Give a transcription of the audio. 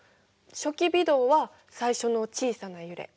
初期微動は最初の小さな揺れ。